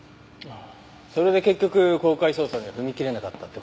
それで結局公開捜査には踏み切れなかったって事ですか。